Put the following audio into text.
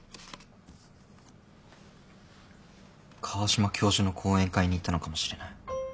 川島教授の講演会に行ったのかもしれない。